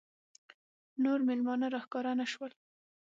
نور مېلمانه راښکاره نه شول.